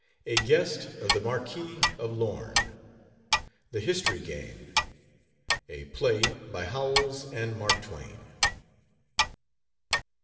A GUEST OF THE MARQUIS OF LORNE. THE HISTORY GAME. A PLAY BY HOWELLS AND MARK TWAIN.